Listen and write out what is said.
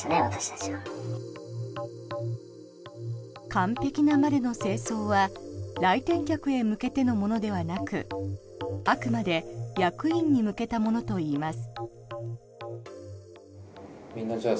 完璧なまでの清掃は来店客へ向けてのものではなくあくまで役員に向けたものといいます。